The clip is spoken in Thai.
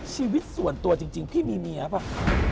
ชีวิตส่วนตัวจริงพี่มีเมียป่ะ